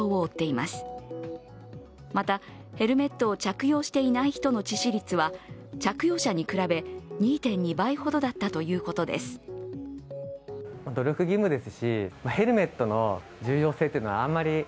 また、ヘルメットを着用していない人の致死率は着用者に比べ２．２倍ほどだったということです。